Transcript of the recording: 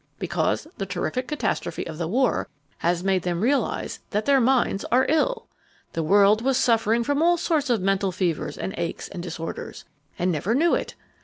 Because the terrific catastrophe of the war has made them realize that their minds are ill. The world was suffering from all sorts of mental fevers and aches and disorders, and never knew it.